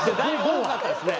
多かったですよね？